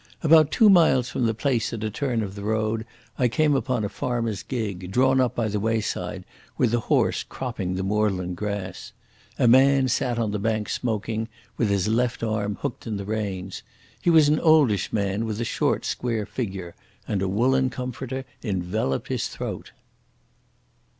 About two miles from the place at a turn of the road I came upon a farmer's gig, drawn up by the wayside, with the horse cropping the moorland grass. A man sat on the bank smoking, with his left arm hooked in the reins. He was an oldish man, with a short, square figure, and a woollen comforter enveloped his throat.